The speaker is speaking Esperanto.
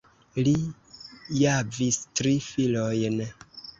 Li javis tri filojn.